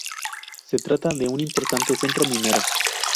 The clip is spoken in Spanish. Se trata de un importante centro minero.